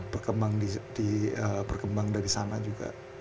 berkembang di berkembang dari sana juga